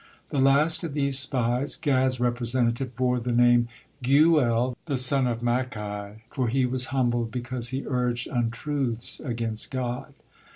The last of these spies, Gad's representative, bore the name Geuel, the son of Machi, for he was humbled because he urged untruths against God.